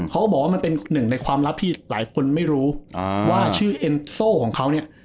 เขาบอกว่ามันเป็นหนึ่งในความลับที่หลายคนไม่รู้ว่าชื่อเอ็นโซ่ของเขาเนี่ย